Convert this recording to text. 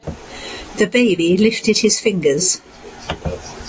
The baby lifted his fingers.